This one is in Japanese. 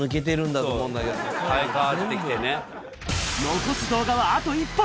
残す動画はあと１本。